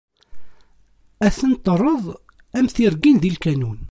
Ad ten-terreḍ am tirgin di lkanun.